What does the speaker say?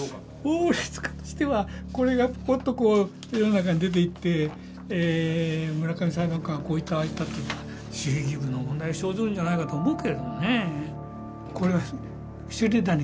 法律家としてはこれがポッと世の中に出ていって村上裁判官がこう言ったああ言ったというのは守秘義務の問題が生ずるんじゃないかと思うけれどもね。